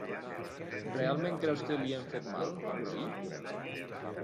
Realment creus que li hem fet mal, cosí?